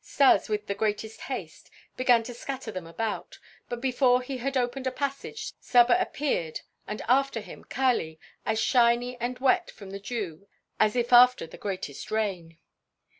Stas, with the greatest haste, began to scatter them about, but before he had opened a passage Saba appeared and after him Kali, as shiny and wet from the dew as if after the greatest rain.